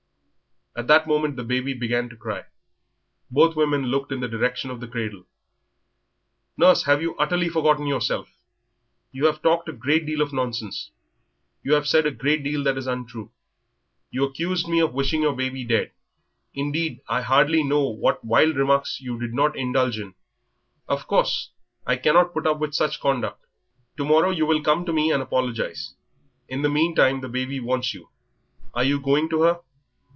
At that moment the baby began to cry; both women looked in the direction of the cradle. "Nurse, you have utterly forgotten yourself, you have talked a great deal of nonsense, you have said a great deal that is untrue. You accused me of wishing your baby were dead, indeed I hardly know what wild remarks you did not indulge in. Of course, I cannot put up with such conduct to morrow you will come to me and apologise. In the meantime the baby wants you, are you not going to her?"